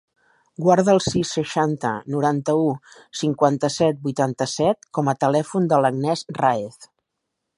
Guarda el sis, seixanta, noranta-u, cinquanta-set, vuitanta-set com a telèfon de l'Agnès Raez.